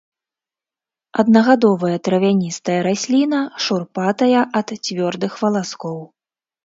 Аднагадовая травяністая расліна, шурпатая ад цвёрдых валаскоў.